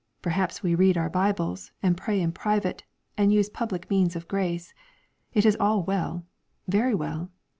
Perhaps we read our Bibles, and pray in private, and use public means of grace. It is all well, very well.